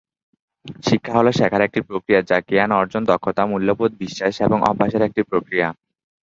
শিক্ষা হল শেখার একটি প্রক্রিয়া, বা জ্ঞান অর্জন, দক্ষতা, মূল্যবোধ, বিশ্বাস এবং অভ্যাসের একটি প্রক্রিয়া।